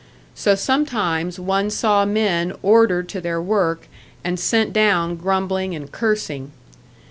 So sometimes one saw men ordered to their work, and sent down grumbling and cursing.